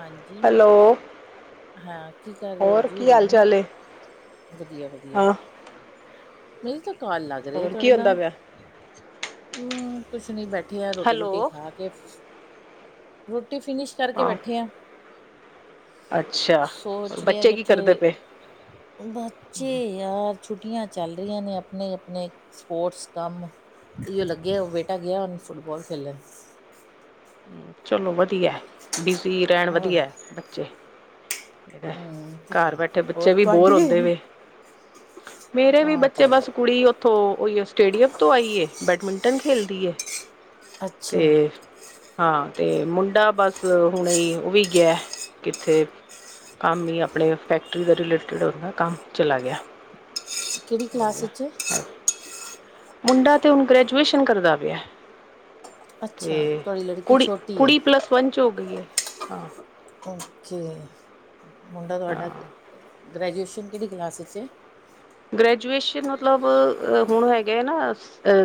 ਹਾਂਜੀ ਹੈਲੋ ਹਾਂ ਕੀ ਕਰ ਰਹੇ ਹੋ ਹੋਰ ਜੀ ਕੀ ਹਾਲ ਇਹਨੂੰ ਚਾਲ ਏ ਵਧੀਆ ਵਧੀਆ, ਹਾਂ ਮਿਲ ਚੁੱਕ, ਕਾਲ ਲੱਗ ਰਹੇ ਆ ਹੋਰ ਤਾਹਾਡੇ ਕੀ ਨਾਲ ਹੁੰਦਾ ਪਿਆ ਹ ਕੁਛ ਨਹੀਂ ਬੈਠਾ, ਇਕੱਠੀਆਂ ਰੋਟੀ ਹੈਲੋ ਰੋਟੀ ਖਾ ਕੇ, ਰੁਕ, ਫਿਨਸ਼ ਕਰਕੇ ਹਾਂ ਬੈਠੇ, ਅੱਛਾ ਹੋਰ ਸੋਚ ਰਿਹਾ ਬੱਚੇ ਕੀ ਕਿੱਥੇ ਕਰਦੇ ਪਏ ਬੱਚੇ ਯਾਰ, ਛੁੱਟੀਆਂ ਚੱਲ ਰਹੀਆਂ ਨੇ ਆਪਣੇ ਆਪਣੇ ਸਪੋਰਟਸ ਕੰਮ ਇਓ ਲੱਗੇ ਆ ਬੇਟਾ ਗਿਆ, ਹੁਣ ਫੁੱਟਬਾਲ ਖੇਲਣ ਚਲੋ ਵਧੀਆ, ਬਿਜੀ ਰਹਿਣ ਹੋਰ ਵਧੀਆ ਬੱਚੇ, ਹਮ ਇਹ ਤੇ ਘਰ ਹੈ ਬੈਠੇ ਹੋਰ ਬੱਚੇ ਵੀ ਬੋਰ ਤੁਹਾਡੇ ਹੁੰਦੇ ਵੇ ਮੇਰੇ ਵੀ ਆਹ ਤੇ ਬੱਚੇ ਹੈ ਬਸ ਕੁੜੀ ਉੱਥੋਂ ਉਹੀ, ਸਟੇਡੀਅਮ ਤੋਂ ਆਈਏ ਬੈਡਮਿੰਟਨ ਖੇਲਦੀ ਹੈ, ਅੱਛਾ, ਹਾਂ ਅਤੇ ਮੁੰਡਾ ਬਸ ਹੁਣੇ ਹੀ ਉਹ ਵੀ ਗਿਆ ਕਿੱਥੇ ਕੰਮ ਹੀ ਆਪਣੇ ਫੈਕਟਰੀ ਦੇ ਰਿਲੇਟਿਡ ਉਹਦਾ ਕੰਮ ਚਲਾ ਗਿਆ, ਕਿਹੜੀ ਕਲਾਸ ਚ, ਮੁੰਡਾ ਅਤੇ ਹੁਣ ਗ੍ਰੈਜੂਏਸ਼ਨ ਕਰਦਾ ਪਿਆ। ਅੱਛਾ ਤੇ ਤੁਹਾਡੀ ਲੜਕੀ, ਕੁੜੀ ਛੋਟੀ ਹੈ ਕੁੜੀ ਪਲੱਸ ਵਨ ਚ ਹੋ ਗਈ ਹੈ। ਹਾ, ਓਕੇ, ਮੁੰਡਾ ਹਾਂ ਤੁਹਾਡਾ, ਗ੍ਰੈਜੂਏਸ਼ਨ ਕਿਹੜੀ ਕਲਾਸ 'ਚ, ਗ੍ਰਜੂਏਸ ਮਤਲਬ ਹੁਣ ਹੈਗੇ ਨਾ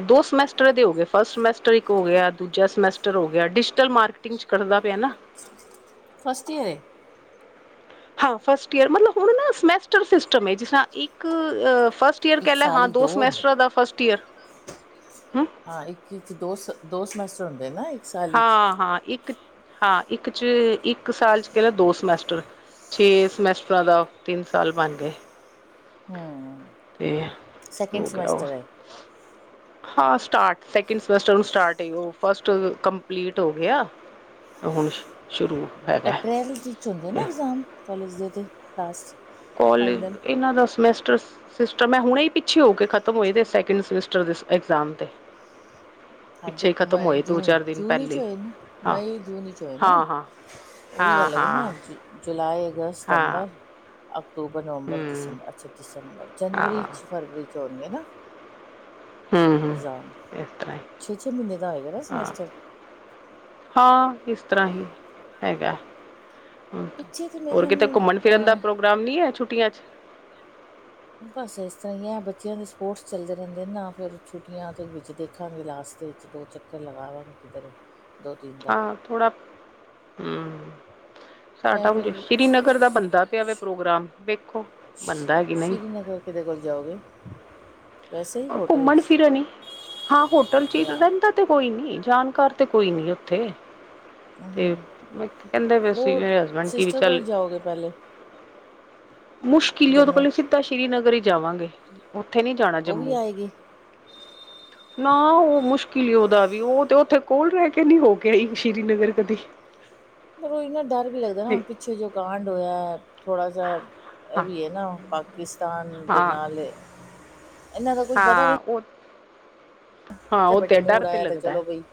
ਦੋ ਸਮੈਸਟਰ ਦੇ ਹੋ ਗ ਫਸਟ ਹੋ ਗਿਆ ਦੂਜਾ ਸਮੈਸਟਰ ਹੋ ਡਿਜੀਟਲ ਮਾਰਕੀਟਿੰਗ ਚ ਕਰਦਾ ਪਿਆ ਨਾ, ਫਸਟ ਯੀਅਰ ਐ, ਹਾਂ ਫਸਟ ਇਅਰ ਮਤਲਬ ਹੁਣ ਨਾ ਸਮੈਸਟਰ ਸਿਸਟਮ ਐ ਜਿਸ ਇੱਕ, ਫਸਟ ਈਅਰ ਕਹਿ ਇੱਕ ਲ ਸਾਲ ਹਾਂ ਹੀ ਦੋ ਹੁੰਦੇ ਸਮੈਸਟਰ ਦਾ ਫਸਟ ਈਅਰ, ਹੂੰ ਹਾਂ ਇੱਕ ਦੋਸ ਦੋ ਸਮ, ਹੁੰਦੇ ਨਾ, ਸਾਲ ਵਿੱਚ ਹਾਂ ਹਾਂ ਇੱਕ, ਹਾਂ ਇੱਕ ਚ ਇੱਕ ਸਾਲ ਚਚ ਕਹਿ ਲ ਦੋ ਸਮੈਸਟਰ ਛੇ ਸਮੈਸਟਰਾਂ ਦਾ ਤਿੰਨ ਸਾਲ ਬਣ ਗਏ। ਹਮ ਤੇ, ਸੈਕਿੰਡ ਹੋ ਗਿਆ ਉਹ, ਸਮੈਸਟਰ ਹੈ ਹਾਂ ਸਟਾਰਟ ਸੈਕਿੰਡ ਸਮੈਸਟਰ ਸਟਾਰਟ ਉਹ ਫਸਟ ਕੰਪਲੀਟ ਹੋ ਗਿਆ ਹੁਣ ਸ਼ੁਰੂ, ਹੈਗਾ ਅਪ੍ਰੈਲ ਹੁੰਦੇ ਨਾ ਐਗਜ਼ਾਮ ਕਾਲਜ ਦੇ ਤੇ ਲਾਸਟ, ਕਾਲਜ ਫਾਈਨਲ ਇਹਨਾਂ ਦਾ ਸਮੈਸਟਰ, ਟਰ ਮੈਂ ਹੁਣੇ ਹੀ ਪਿੱਛੇ ਹੋ ਕੇ ਖਤਮ ਹੋਏ ਸੈਕਿੰਡ ਸਮੈਸਟਰ ਦੇ ਇਗਜ਼ਾਮ ਤੇ, ਪਿੱਛੇ ਹਾਂਜੀ ਹੀ ਖਤਮ ਮਈ ਹੋਏ ਦੋ ਜੂਨ ਚਾਰ ਦਿਨ ਜੂਨ ਵਿੱਚ ਪਹਿਲੇ ਹੋਏ ਨਾ ਹਾਂ ਮਈ ਜੂਨ ਵਿੱਚ ਹੋਏ ਨਾ ਹਾਂ ਹਾਂ ਉਓਹੀ ਹਾਂ ਗੱਲ ਹੋ ਨਾ ਹਾਂ ਜ ਜੁਲਾਈ ਅਗਸਤ ਹਾਂ ਸਤੰਬਰ, ਅਕਤੂਬਰ ਨਵੰਬਰ ਹਮ ਦਸੰਬਰ ਅੱਛਾ ਦਸੰਬਰ, ਜਨਵਰੀ ਹਾਂ 'ਚ ਫਰਵਰੀ 'ਚ, [unintelligible] ਹੂੰ ਹੂੰ, ਇਸ ਤੇ ਹੈ, ਛੇ ਛੇ ਮਹੀਨੇ ਦਾ ਆਏਗਾ ਨਾ ਸਮੈਸਟਰ, ਹਾਂ ਇਸ ਤਰ੍ਹਾਂ ਹੀ ਹੈਗਾ। ਪਿੱਛੇ ਤੇ ਮੇਰੇ ਹੋਰ ਖਿਆਲ ਕਿਤੇ ਨਾਲ ਘੁੰਮਣ ਫਿਰਨ ਦਾ ਅਹ ਪ੍ਰੋਗਰਾਮ ਨੀ ਹੈ ਛੁੱਟੀਆਂ ਚ, ਬਸ ਇਸ ਤਰ੍ਹਾਂ ਹੀ ਹੈ ਬੱਚਿਆਂ ਦੇ ਸਪੋਰਟਸ ਚੱਲਦੇ ਰਹਿੰਦੇ ਨਾ ਫੇਿਰ ਛੁੱਟੀਆਂ ਦੇ ਵਿੱਚ ਦੇਖਾਂਗੇ ਲਾਸਟ ਦੇ ਵਿੱਚ ਦੋ ਚੱਕਰ ਲਗਾਵਾਂਗੇ ਕਿਧਰੇ, ਦੋ ਤਿੰਨ ਦਾ ਹਾਂ ਥੋੜਾ ਹੂੰ, ਇਹ ਸਾਡਾ ਹਣ ਫਿਰ ਸ੍ਰੀਨਗਰ ਦਾ ਬਣਦਾ ਪਿਆ ਪ੍ਰੋਗਰਾਮ ਵੇਖੋ ਬਣਦਾ ਹੈ ਕਿ ਨਹੀਂ, ਸ਼੍ਰੀਨਗਰ ਕਿਹਦੇ ਕੋਲ ਜਾਓਗੇ ਵੈਸੇ ਹੀ ਹੋਟਲ ਘੁੰਮਣ ਵਿੱਚ ਫਿਰਨ ਹੀ ਹਾਂ ਹੋਟਲ ਚ ਜਾਂ ਰਹਿੰਦਾ ਤੇ ਕੋਈ ਨੀ ਜਾਣਕਾਰ ਤੇ ਕੋਈ ਨੀ ਉੱਥੇ ਤੇ ਹੂੰ ਕਹਿੰਦੇ ਪਏ ਸੀ ਉਹ ਮੇਰੇ ਹਸਬੈਂਡ ਕੀ ਵੀ ਸਿਸਟਰ ਚੱਲ ਕੋਲ ਜਾਓਗੇ ਪਹਿਲੇ ਮੁਸ਼ਕਿਲ ਹੀ ਉਦੋ ਜੰਮੂ ਕੋਲੋਂ ਸਿੱਧਾ ਸ਼੍ਰੀ ਨਗਰ ਹੀ ਜਾਵਾਂਗੇ। ਉੱਥੇ ਨਹੀਂ ਜਾਣਾ ਉਹ ਵੀ ਜੰਮੂ। ਆਏਗੀ ਨਾ ਉਹ ਮੁਸ਼ਕਿਲ ਹੀ ਉਹਦਾ ਵੀ ਉਹ ਤੇ ਉੱਥੇ ਕੋਲ ਰਹਿ ਕੇ ਨੀ ਹੋ ਕੇ ਅਈ ਸ਼੍ਰੀਨਗਰ ਕਦੀ ਮੈ ਓਹ ਨਾ ਡਰ ਵੀ ਲੱਗਦਾ ਨਾ ਤੇ ਹੁਣ ਪਿੱਛੇ ਜੋ ਕਾਂਡ ਹੋਇਆ। ਥੋੜਾ ਸਾ ਇਹ ਹਾਂ ਵੀ ਹੈ ਨਾ ਪ [inaudible] ਤ ਦੇ ਹਾਂ ਨਾਲੇ ਹਾਂ ਉਹ ਹਾਂ ਤੇ ਉਹ ਵਡੇ ਡਰ ਮੂੜ ਆਇਆ ਤੇ ਲੱਗਦਾ ਚਲੋ ਬਈ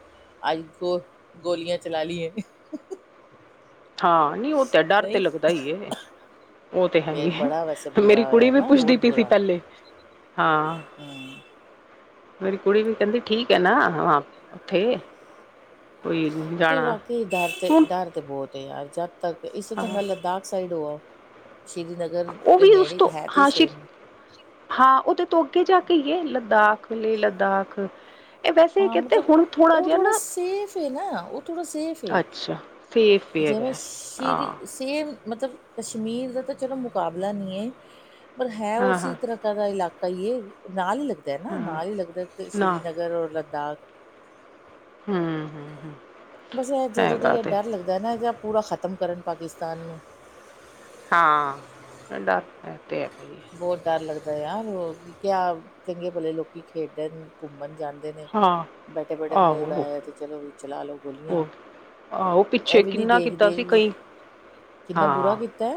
ਅੱਜ ਗੋ ਗੋਲੀਆਂ, ਚਲਾ ਲਈਏ। ਹਾਂ ਨੀ ਉਹ ਤੇ ਡਰ ਤੇ ਲੱਗਦਾ ਹੀ ਉਹ ਤੇ ਹੈ ਹੀ ਏ ਮੇਰੀ ਕੁੜੀ ਵੀ ਪੁੱਛਦੀ ਪਈ ਸੀ ਪਹਿਲੇ ਹਾਂ, ਮੇਰੀ ਕੁੜੀ ਵੀ ਕਹਿੰਦੀ ਠੀਕ ਹੈ ਨਾ ਵਾਂ ਉੱਥੇ, ਕੋਈ ਫ ਜਾਣਾ ਬਾਕੀ ਡਰ ਤੇ ਹੁਣ ਡਰ ਤੇ ਬਹੁਤ ਯਾਰ ਜਦ ਤੱਕ ਇਸ ਤੋਂ ਹਾਂ ਚੰਗਾ ਲਦਾਖ ਸਾਈਡ ਹੋ ਆਓ। ਸ਼੍ਰੀਨਗਰ ਉਹ ਦੇ ਵੀ ਉਸ ਨੇੜੇ ਤੋਂ ਹੈ ਤੇ ਹਾਂ ਸ਼੍ਰੀ ਸੇਮ ਹਾਂ ਉਹਦੇ ਤੋ ਅੱਗੇ ਜਾ ਕੇ ਹੀ ਏ ਲਦਾਖ ਲੇ ਲਦਾਖ ਹਾਂ ਮਤਲਬ ਉਹ ਥੋੜਾ ਸੇਫ ਹੈ ਨਾ ਉਹ ਥੋੜਾ ਸੇਫ ਹੈ ਅੱਛਾ ਸੇਫ ਵੀ ਹੈਗਾ ਜਿਵੇਂ ਸ਼੍ਰਿਰੀ ਹਾਂ ਸੇਫ, ਮਤਲਬ ਕਸ਼ਮੀਰ ਦਾ ਤਾਂ ਚਲੋ ਮੁਕਾਬਲਾ ਨਹੀਂ ਏ। ਪਰ ਹੈ ਹਾਂ ਹਾਂ ਉਸੇ ਤਰ੍ਹਾਂ ਕਾ ਦਾ ਇਲਾਕਾ ਕਹੀਏ ਨਾਲ ਹੀ ਲੱਗਦਾ ਨਾ ਹਾਂ ਨਾਲ ਹੀ ਲੱਗਦਾ ਨਾ ਸ੍ਰੀਨਗਰ ਔਰ ਲਦ ਡਾ ਹਮ- ਹਮ। ਬਸ ਇਹ ਜਦੋਂ ਦੀ ਇਹ ਡਰ ਲੱਗਦਾ ਏ ਨਾ ਪੂਰਾ ਖਤਮ ਕਰਨ ਪਾਕਿਸਤਾਨ ਨੂੰ ਹਾਂ ਡਰ ਤੇ ਹੈ। ਭਈ ਬਹੁਤ ਡਰ ਲਗਦਾ। ਯਾਰੋ ਕਿਆ ਚੰਗੇ ਭਲੇ ਲੋਕੀ ਖੇਡਣ ਘੁੰਮਣ ਜਾਣ। ਨੇ ਹਾਂ ਬੈਠੇ ਬੈਠੇ ਮੂੜ ਆਹੋ ਆਇਆ ਤੇ ਚਲੋ ਵੀ ਚਲਾ ਲੋੋ ਗੋਲੀਆਂ ਉਹ ਆਹੋ ਇਹ ਪਿੱਛੇ ਵੀ ਨੀ ਕਿੰਨਾ ਕੀਤਾ ਸੀ ਦੇਖਦੇ ਕਈ ਕਿੰਨਾ ਬੁਰਾ ਹਾਂ ਕੀਤਾ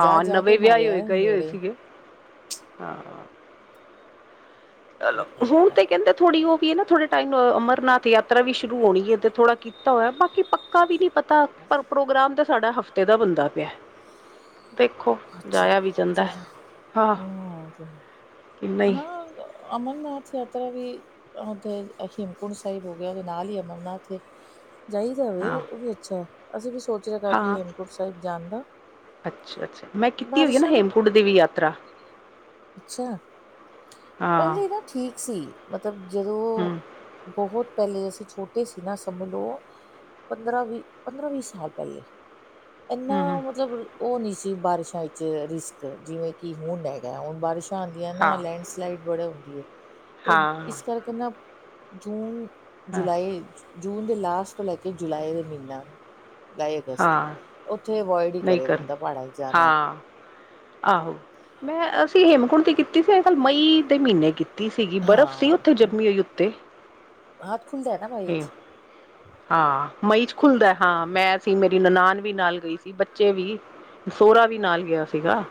ਜਾ ਹਾਂ ਜਾ ਕੇ ਨਵੇਂ ਵਿਆਹੇ ਹੋਏ ਮਾਰਿਆ ਗਏ ਹੋਏ ਨੇੜ। ਸੀਗੇ। ਹਾਂ। ਚਲੋ ਬਹੁਤ ਗਲਤ ਹੁਣ ਗੱਲ। ਤੇ ਹੈ। ਕਹਿੰਦੇ ਥੋੜ੍ਹੀ ਉਹ ਐ ਨਾ ਥੋੜੇ ਟਾਈਮ ਅਮਰਨਾਥ ਯਾਤਰਾ ਵੀ ਸ਼ੁਰੂ ਹੋਣੀ ਹੈ ਤੇ ਥੋੜ੍ਹਾ ਕੀਤਾ ਹੋਇਆ ਬਾਕੀ ਪੱਕਾ ਵੀ ਨੀ ਪਤਾ ਪਰ ਪ੍ਰੋਗਰਾਮ ਤਾਂ ਸਾਡਾ ਹਫ਼ਤੇ ਦਾ ਬੰਦਾ ਪਿਆ। ਦੇਖੋ ਜਾਇਆ ਵੀ ਜਾਂਦਾ ਹਾਂ ਕਿ ਨਹੀਂ। ਅਮਰਨਾਥ ਯਾਤਰਾ ਵੀ ਉੱਥੇ ਹੇਮਕੁੰਡ ਸਾਹਿਬ ਹੋ ਗਿਆ ਉਹਦੇ ਨਾਲ ਹੀ ਅਮਰਨਾਥ ਏ। ਚਹੀਦਾ ਹੋਵੇ ਹਾਂ ਉਹ ਵੀ ਅੱਛਾ ਹੈ ਅਸੀਂ ਵੀ ਸੀ। ਸੋਚ ਰਿਹਾ ਕਾਫੀ ਹਾਂ ਹੇਮਕੂਟ ਸਾਹਿਬ ਜਾਣ ਦਾ। ਅੱਛਾ ਅੱਛਾ। ਮੈਂ ਕੀਤੀ ਹੋਈ ਹੈ ਨਾ ਬਾਰਿਸ਼ਾਂ ਤੋਂ ਹੇਮਕੁੰਡ ਦੀ ਵੀ ਯਾਤਰਾ ਅੱਛਾ ਹਾਂ ਪਹਿਲੇ ਨਾ ਠੀਕ ਸੀ, ਮਤਲਬ ਜਦੋਂ ਹਮ ਬਹੁਤ ਪਹਿਲੇ ਅਸੀਂ ਛੋਟੇ। ਤੁਸੀ ਸੀ ਨਾ ਸਮਝ ਲੋ ਪੰਦਰਾਂ ਵੀਹ ਪੰਦਰਾਂ ਵੀਹ ਸਾਲ ਪਹਿਲੇ। ਇੰਨਾ ਹਮ ਮਤਲਬ ਉਹ ਨਹੀਂ ਸੀ। [unintelligible] ਵਿੱਚ ਰਿਸਕ ਜਿਵੇਂ ਕਿ ਹੁਣ ਹੈਗਾ ਹੁਣ ਬਾਰਿਸ਼। ਤਾਂਦੀਆ ਨਾ ਹਾਂ ਲੈਂਡਸਲਾਈਡ ਬੜੇ। [unintelligible] ਤੇ ਹਾਂ ਇਸ ਕਰਕੇ ਨਾ। ਜੂਨ। ਹਾਂ ਜੁਲਾਈ। ਜੂਨ ਦੇ ਲਾਸਟ ਤੋਂ ਲੈ ਕੇ ਜੁਲਾਈ ਦੇ ਮਹੀਨਾ। ਲਾਏ ਗਸਤ ਹਾਂ ਉੱਥੇ ਅਵੋਇਡ ਹੀ ਨਹੀਂ ਕਰੇ ਕਰਨ ਬੰਦਾ ਪਹਾੜਾਂ ਚ ਜਾਣਾ। ਹਾਂ ਆਹੋ ਮੈਂ ਅਸੀਂ ਹੇਮਕੁੰਡ ਦੀ ਕੀਤੀ ਸੀ ਮਈ ਦੇ ਮਹੀਨੇ ਕੀਤੀ। ਸੀਗੀ ਬਰਫ਼ ਸੀ ਉੱਥੇ ਹਾਂ ਜੰਮੀ ਹੋਈ ਉੱਤੇ ਹੱਥ ਖੁੱਲਦਾ ਹੈ ਨਾ ਬਾਈ ਹ। ਚ ਹਾਂ ਮਈ। ਖੁੱਲਦਾ ਹਾਂ ਮੈਂ ਸੀ ਮੇਰੀ ਨਨਾਨ। ਵੀ ਨਾਲ ਗਈ ਸੀ ਬੱਚੇ ਵੀ ਸੋਹਰਾ ਵੀ ਨਾਲ ਗਿਆ ਸੀਗਾ।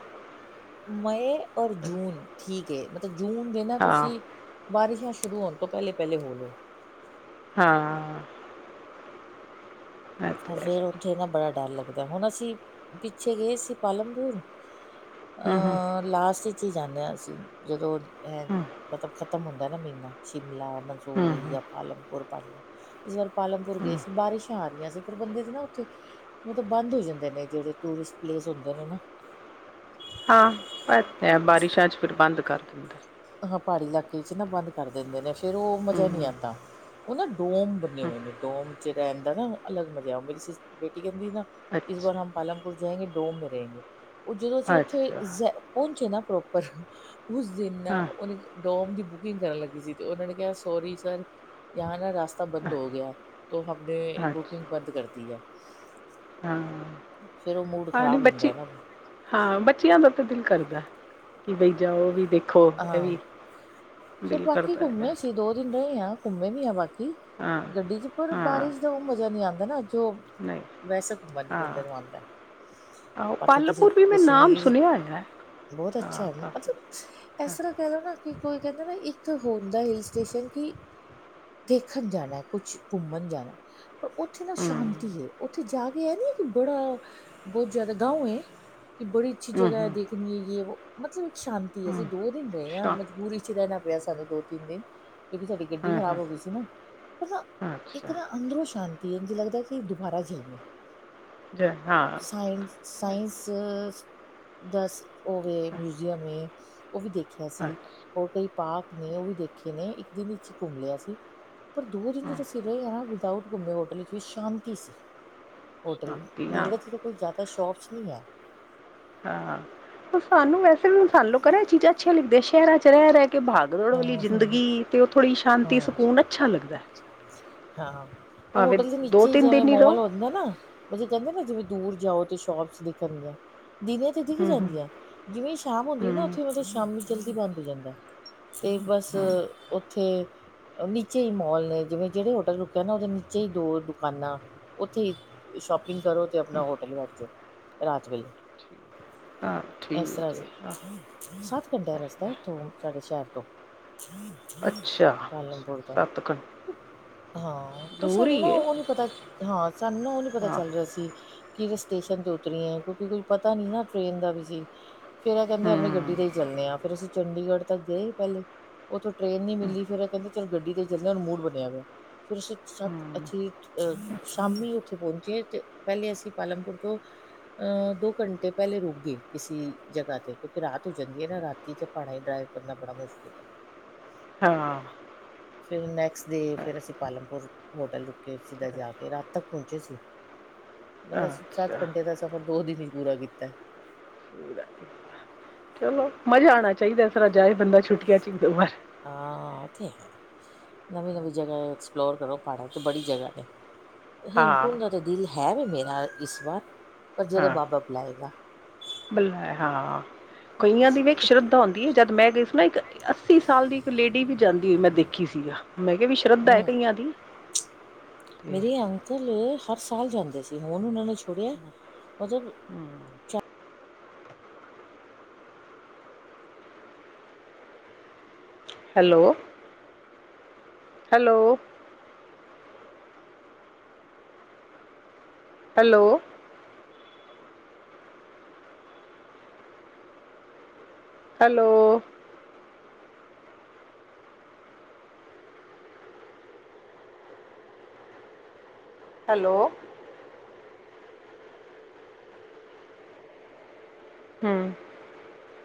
ਮਏ ਔਰ ਜੂਨ ਠੀਕ। ਕੇ ਮਤਲਬ। ਜੂਨ ਦੇ ਨਾ ਹਾਂ, ਤੁਸੀਂ ਬਾਰਿਸ਼ਾ। ਸ਼ੁਰੂ ਹੋਣ ਤੋਂ ਪਹਿਲੇ ਪਹਿਲੇ ਹੋ ਲੋ। ਹਾਂ। ਰ ਹੂੰ, ਫੇਰ ਉੱਥੇ ਨਾ ਬੜਾ ਡਰ ਲਗਦਾ, ਹੁਣ ਅਸੀਂ ਪਿੱਛੇ ਗਏ ਸੀ ਪਾਲਮਪੁਰ, ਹੂੰ, ਅ ਲਾਸਟ, ਚ ਹੀ ਜਾਂਦੇ ਹਾਂ ਅਸੀਂ ਜਦੋਂ, ਇਹ ਹੂੰ, ਮਤਲਬ ਖ ਖਤਮ ਹੁੰਦਾ ਨਾ ਮਹੀਨਾ, ਸ਼ਿਮਲਾ ਮਨਸੂਰੀ ਹੂੰ, ਜਾਂ ਪਾਲਮਪੁਰ ਪਾੜਿਆ, ਇਸ ਵਾਰ, ਪਾਲਮਪੁਰ ਗਏ ਹੂੰ। ਸੀ ਬਾਰਿਸ਼ਾਂ ਆ ਰਹੀਆਂ ਸੀ। ਜ ਨਾ [unintelligible] ਉ ਬੰਦ ਹੋ ਜਾਂਦੇ ਨੇ ਜਿੜੇ ਟੂਰਿਸਟ ਪਲੇਸ ਹਦੇ ਨੇ ਨਾ, ਹਾਂ, ਇ ਬਾਰਿਸ਼ਾਂ ਚ ਫਿਰ ਬੰਦ ਕਰ ਦਿੰਦਾ। ਾ ਪਹਾੜੀ ਇਲਾਕੇ ਵਿੱਚ ਨਾ ਬੰਦ ਕਰ ਦਿੰਦੇ ਨੇ, ਫਿਰ ਉਹ ਮਜ਼ਾ ਨਹੀਂ ਹੂੰ, ਆਂਦਾ ਉਹ ਨਾ, ਡੋਮ ਬਣੇੇ ਹੂੰ, ਹੋਏ ਨੇ ਡੋਮ ਜਿਹੜਾ ਆਂਦਾ ਨਾ, ਅਲੱਗ ਮਜ਼ਾ ਆ [unintelligible] ਮੇਰੀ ਬੇਟੀ, ਕਦੀ ਨਾ ਇਸ ਬਾਰ ਅੱਛਾ, ਹਮ ਪਾਲਮਪੁਰ, ਜਾਗੇ ਡੋਮੇ ਰਹਿਹੇਗੇ [unintelligible] ਉਹ ਜਦੋਂ ਅਸੀਂ ਉੱਥੇ ਅੱਛਾ, ਜ਼ ਪਹੁੰਚੇ ਨਾ ਧੁੱਪ ਉਸ ਜ਼ਿੰਨਾ ਡੋਮ ਦੀ ਬੁਕਿੰਗ ਕਰਨ ਲੱਗੀ ਸੀ, ਤੇ ਉਹਨਾਂ ਨੇ ਕਿਹਾ ਸੋਰੀ ਸਰ ਯਹਾ ਨਾ ਰਸ ਰਸਤਾ ਬੰਦ ਹੋ ਗਿਆ ਤੋ ਹਮ ਨੇ ਬੁਕਿੰਗ ਬੰਦ ਕਰਦੀ ਹੈ ਉਹ ਮੂਡ ਹਾਂ-ਹਾਂ ਨ ਖ਼ਰਾਬ ਹੁੰਦਾ ਬੱਚੀ ਹੈ ਨਾ ਹਾਂ ਬੱਚਿਆਂ ਤੋਂ ਦਿਲ ਕਰਦਾ। ਕਿ ਬਈ ਜਾ ਉਹ ਵੀ ਦੇਖ ਹਾਂ ਫੇਰ ਬਾਕੀ ਘੁੰਮੇ ਸੀ। ਦੋ ਦਿਨ ਰਹੇ ਹ ਘੁੰਮੇ ਵੀ ਹ ਬਾ ਗੱਡੀ ਚ ਪਰ ਬਾਰਿਸ਼ ਦਾ ਉਹ ਮਜ਼ਾ ਨਹੀਂ ਆਉਂਦਾ ਨਾ ਜੋ ਵੈਸੇ ਘੁੰਮਣ ਨੀ ਬੰਦੇ ਨੂੰ ਆਉਂਦਾ ਬਾਕੀ ਤੁਸੀਂ ਕਸ਼ਮੀਰ ਬਹੁਤ ਅੱਛਾ ਮਤਲਬ। ਇਸ ਤਰ੍ਹਾਂ ਕਹਿ ਲਓ ਨਾ ਕਿ ਕੋਈ ਕਹਿੰਦਾ ਨਾ ਇੱਕ ਹੁੰਦਾ ਹ ਸਟੇ [unintelligible] ਕਿ ਦੇਖਣ ਜਾਣਾ ਕੁਛ ਘੁੰਮਣ ਜਾਣਾ ਪਰ ਉੱਥੇ ਨਾ ਸ਼ਾਂਤੀ ਹੈ ਉੱਥੇ ਜਾ ਕੇ ਇਹ ਹੈ ਨੀ ਕਿ ਬੜਾ ਬਹੁਤ ਜ਼ਿਆਦਾ ਗਾਓ ਹੈ। ਕਿ ਬੜੀ ਅੱਛੀ ਜਗਾਾ ਹੈ। ਦੇਖਣੀ ਹੈ ਯ ਵ ਮਤਲਬ। ਸ਼ਾਂਤੀ ਹੈ। ਜ ਦੋ ਦਿਨ ਰਹੇ ਆਾਂ ਮਜਬੂਰੀ ਚ ਰਹਿਣਾ ਪਿਆ ਸਾਨੂੰ ਦੋ ਤਿੰਨ ਦਿਨ ਕਿਉਕਿ ਸਾਡੀ ਗੱਡੀ ਖ਼ਰਾਬ ਹੋ ਗਈ ਸੀ ਨਾ ਪਰ ਨਾ ਇੱਕ ਨਾ ਅੰਦਰੋਂ ਸ਼ਾਂਤੀ ਤੇਨ ਜ ਲਗਦਾ ਕਿ ਦੁਬਾਰਾ ਜੇਲਵੇ ਸ ਸਾਇੰਸ ਦਸ। ਉਹਵੇ ਮਿਊਜ਼ੀਅਮ ਹੈ। ਉਹ ਵੀ ਦੇਖਿਆ ਸੀ ਹੋਰ ਕਈ ਪਾਕ ਨੇ ਉਹ ਵੀ ਦੇਖੇ ਨੇ, ਇੱਕ ਦਿਨ ਵਿੱਚ ਹੀ ਕੁਮ ਲਿਆ ਸੀ। ਪਰ ਦੋ ਦਿਨ ਵੀ ਤਾ ਐਸੀ ਰਹੇ ਆ ਨਾ ਉਥੇ ਹੋਟਲ ਚ ਵੀ ਸ਼ਾਂਤੀ ਸੀ। ਹੋਟਲ ਨੇੜੇ ਜੜੇ ਕੋਲ ਜ਼ਿਆਦਾ ਸ਼ੋਪਸ ਹੈ। ਹਾਂ ਸਾਨੂੰ ਵੈਸੇ ਵੀੁਣ [inaudible] ਚੀਜ਼ਾਂ ਅੱਛੀਆਂ ਲੱਗਦੀਆਂ ਸ਼ਹਿਰਾਂ ਚ ਰਹਿ ਰਹਿ ਕਿ ਭਾਗਦੌੜ ਵਾਲੀ ਹੂੰ ਹੂੰ ਜ਼ਿੰਦਗੀ, ਤੇ ਉਹ ਥੋੜ੍ਹੀ ਸ਼ਾਂਤੀ ਹੂੰ ਸਕੂਨ ਅੱਛਾ ਲੱਗਦਾ ਹੈ। ਹਾਂ, ਉਹ ਭਾਵੇਂ ਹੋਟਲ ਦੇ ਦੋ ਨੀਚੇ ਤਿੰਨ ਜਿਵੇਂ ਦਿਨ ਹੀ ਰਹੋ ਮੋਲ ਹੋ ਜਾਂਦੇ ਆ ਨਾ ਉਹੇ ਕਹਿੰਦੇ ਨਾ ਜਿਵੇਂ, ਦੂਰ ਜਾਓ ਤੇ ਸ਼ੋਪਸ ਦਿਖਣ ਗਿਆਂ, ਦਿਨੇ ਤੇ ਦਿਖ ਹੂੰ ਹੂੰ ਜਾਂਦੀ ਹੈ ਜਿਵੇਂ ਸ਼ਾਮ ਹੁੰਦੀ ਨਾ ਹੂੰ, ਉੱਥੇ ਮਤਲਬ ਸ਼ਾਮੀ ਜਲਦੀ ਬਣਦੀ, ਹੋ ਜਾਂਦਾ ਹੈ, ਤੇ ਬਸ, ਹੂੰ ਉੱਥੇ ਨੀਚੇ ਹੀ ਮੋਲ ਨੇ ਜਿਵੇਂ ਜਿਹੜੇ ਹੋਟਲ ਰੁਕਿਆ ਨਾ ਉਹਦੇ ਨੀਚੇ ਹੀ ਦੋ ਦੁਕਾਨਾਂ ਉੱਥੇ ਹੀ ਸ਼ੋਪਿੰਗ ਕਰੋ ਤੇ ਆਪਣਾ ਹੋਟਲ ਵਰ ਜਾਓ ਰਾਤ ਵੇਲੇ, ਠੀਕ। ਹਾਂ ਇਸ ਤਰ੍ਹਾਂ ਠੀਕ ਹੈ ਸੀ ਹਾਂ, ਸੱਤ ਘੰਟਿਆਂ ਰਸਤਾ ਇਥੋਂ ਸਾਡੇ ਸ਼ਹਿਰ, ਤੋ, ਅੱਛਾ ਪਾਲਮਪੁਰ ਦਾ ਸੱਤ ਕ ਹਾਂ ਕੋ ਦੂਰ ਸਾਨੂੰ ਨਾ ਹੀ ਹੈ ਉਹ ਨੀ ਪਤਾ ਹਾਂ ਸਾਨੂੰ ਨਾ ਉਹ ਨੀ ਪਤਾ ਹਾਂ ਚੱਲ ਰਿਹਾ ਸੀ। ਕਿ ਸਟੇਸ਼ਨ ਤੇ ਉਤਰੀ ਹੈ ਕਿਉਂਕਿ ਕੋਈ ਪਤਾ ਨਹੀਂ ਨਾ ਟ੍ਰਰੇਨ ਦਾ ਵੀ ਸੀ। ਫੇਰ ਇਹ ਕਹਿੰਦੇ ਹੂੰ ਆਪਣੀ ਗੱਡੀ ਤੇ ਹੀ ਚੱਲਣੇ ਆ। ਫੇਰ ਅਸੀਂ ਚੰਡੀਗੜ੍ਹ ਤੱਕ ਗਏ। ਪਹਿਲੇ ਉੱਥੋਂ ਟ੍ਰੇਨ ਨਹੀਂੀ ਹੂੰ, ਮਿਲੀ ਫੇਿਰ ਇਹ ਕਹਿੰਦੇ ਚਲ ਗੱਡੀ ਤੇ ਜਲਦੇ ਹ ਉਹਨੂੰ ਮੂੜ ਬਣਿਆ ਹੋਆ ਫਿਰ ਅਸੀਂ ਸੱਤ ਹੂੰ, ਅੱਥਂ ਅਹ ਸ਼ਾਮੀ ਉੱਥੇ ਪਹੁੰਚੇ ਤੇ ਪਹਿਲੇ ਅਸੀਂ ਪਾਲਮਪੁਰ ਤੋਂ ਅਹ ਦੋ ਘੰਟੇ ਪਹਿਲੇ ਰੁਕ ਗਏ ਕਿਸੇ ਜਗ੍ਹਾ ਤੇ ਕਿਉਂਕਿ ਰਾਤ ਹੋ ਜਾਂਦੀ ਹੈ, ਨਾ ਰਾਤੀ ਚ ਪਾਣਾ ਹੀ ਡਰਾਈਵ ਕਰਨਾ ਬੜਾ ਮੁਸ਼ਕਿਲ ਹਾਂ ਫਿਰ ਨੈਕਸਟ ਡੇ ਫਿਰ ਅਸੀਂ ਪਾਲਮਪੁਰ ਹੋਟਲ ਰੁਕੇ ਸਿੱਧਾ ਅੱਛਾ ਜਾ ਕੇ ਰਾਤ ਤੱਕ ਪਹੁੰਚੇ ਸੀ ਮਤਲਬ ਅਸੀਂ ਸੱਤ ਘੰਟੇ ਦਾ ਸਫ਼ਰ ਦੋ ਦਿਨ ਹੀ ਪੂਰਾ ਕੀਤਾ। ਪੂਰਾ। ਚਲੋ ਮਜ਼ਾ ਆਣਾ ਚਾਹੀਦਾ ਤਰਾ ਜਾਏ ਬੰਦਾ ਛੁੱਟੀਆਂ ਚ ਇਕ ਦੋ ਵਾਰ, ਹਾਂ ਤੇ ਹੈ ਨਵੀਂ ਨਵੀਂ ਐਕਸਪਲੋਰ ਕਰੋ ਪਹਾੜਾਂ ਬੜੀ ਜਗਾ ਨੇ, ਹਾਂ ਹੇਮਕੁੰਟ ਦਾ ਤਾਂ ਦਿਲ ਹੈ ਵੀ, ਮੇਰਾ ਇਸ ਵਾਰ, ਪਰ ਜਦੋਂ ਹਾਂ ਬਾਬਾ ਬੁਲਾਏਗਾ ਬਲਾ ਹਾਂ ਕਈਆਂ ਦੀ ਵੇਖ ਸ਼ਰਧਾ ਹੁੰਂਦੀ ਹੈ ਜਦ ਮੈਂ ਗਈ। ਮੈਂ ਇੱਕ ਅੱਸੀ ਸਾਲ ਦੀ ਇੱਕ ਲੇਡੀ ਵੀ ਜਾਂਦੀ ਹੋਈ ਮੈਂ ਦੇਖੀ ਸੀਗਾ, ਮੈਂ ਕਿਹਾ ਵੀ ਸ਼ਰਧਾ ਹੈ ਹੂੰ ਕਈਆਂ ਦੀ, ਤੇ ਮੇਰੇ ਅੰਕਲ, ਹਰ ਸਾਲ ਜਾਂਦੇ ਸੀ ਹੁਣ ਉਹਨਾਂ ਨੇ ਛੜਿਆ ਮਤਲਬ, hello, hello, hello, hello, hello, ਹੂੰ,